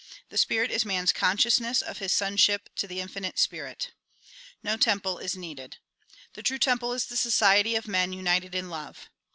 The spirit is man's consciousness of his sonship to the Infinite Spirit. No temple is needed. The true temple is the society of men united in love."